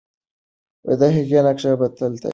د هغې نقش به تل تایید کېږي.